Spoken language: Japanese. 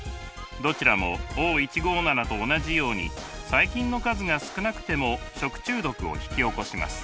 どちらもＯ１５７と同じように細菌の数が少なくても食中毒を引き起こします。